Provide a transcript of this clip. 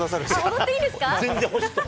踊っていいんですか？